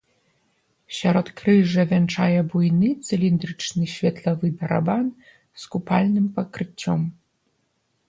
Сяродкрыжжа вянчае буйны цыліндрычны светлавы барабан з купальным пакрыццём.